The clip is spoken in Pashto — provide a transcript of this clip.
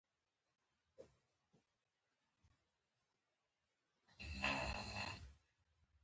صداقت د ټولنې د اعتماد بنسټ دی.